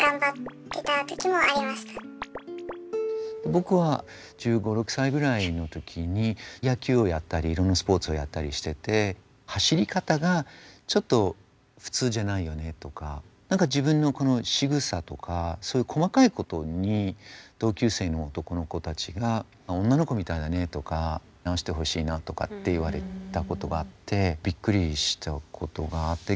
僕は１５１６歳ぐらいの時に野球をやったりいろんなスポーツをやったりしてて走り方がちょっと普通じゃないよねとか何か自分のしぐさとかそういう細かいことに同級生の男の子たちが女の子みたいだねとか直してほしいなとかって言われたことがあってびっくりしたことがあって。